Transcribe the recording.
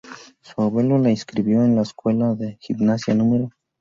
Su abuelo la inscribió a la Escuela de Gimnasia No.